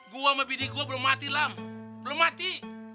gua mabini gua belum mati lamu lemati